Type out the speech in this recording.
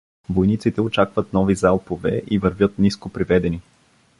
Войниците очакват нови залпове и вървят ниско приведени.